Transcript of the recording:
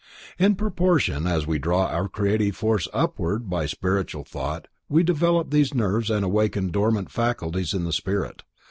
In proportion as we draw our creative force upward by spiritual thought we develop these nerves and awaken dormant faculties of the spirit.